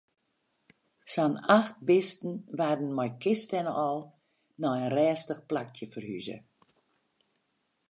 Sa'n acht bisten waarden mei kiste en al nei in rêstich plakje ferhuze.